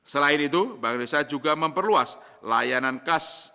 selain itu bank indonesia juga memperluas layanan kas